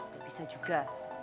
gak bisa juga